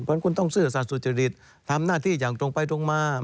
เพราะฉะนั้นคุณต้องซื่อสัตว์สุจริตทำหน้าที่อย่างตรงไปตรงมา